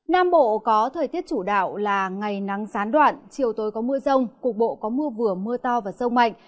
nam bộ có thời tiết chủ đạo là ngày nắng gián đoạn chiều tối có mưa rông cục bộ có mưa vừa mưa to và rông mạnh